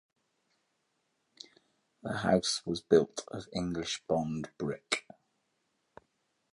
The house was built of English bond brick.